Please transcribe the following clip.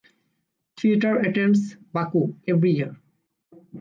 Theater attends Baku every year.